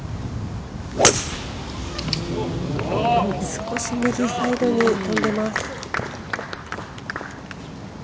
少し右サイドに飛んでます。